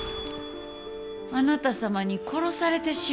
あなた様に殺されてしもうた。